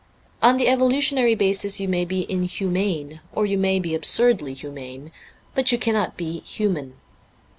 On the evolutionary basis you may be inhumane, or you may be absurdly humane ; but you cannot be human.